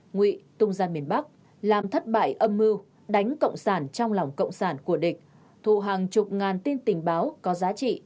ngụy tung ra miền bắc làm thất bại âm mưu đánh cộng sản trong lòng cộng sản của địch thu hàng chục ngàn tin tình báo có giá trị